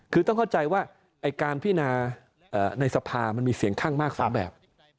คือต้องเข้าใจว่าการพินาในสภามันมีเสียงข้างมาก๒แบบ